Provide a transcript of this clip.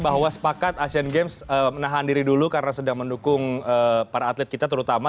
bahwa sepakat asian games menahan diri dulu karena sedang mendukung para atlet kita terutama